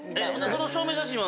その証明写真は。